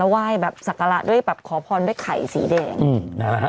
ไหว้แบบศักระด้วยแบบขอพรด้วยไข่สีแดง